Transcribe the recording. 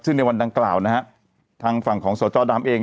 ซึ่งในวันดังกล่าวนะฮะทางฝั่งของสจดำเอง